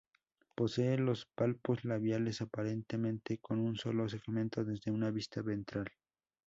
Poseen los palpos labiales aparentemente con un solo segmento, desde una vista ventral.